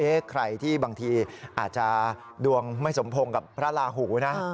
ใครที่บางทีอาจจะดวงไม่สมพงษ์กับพระราหูนะ